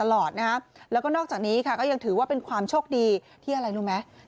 แล้วก็นอกจากนี้ค่ะก็ยังถือว่าเป็นความโชคดีที่อะไรรู้ไหม